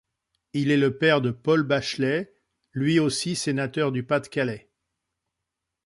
Il est le père de Paul Bachelet, lui aussi sénateur du Pas-de-Calais.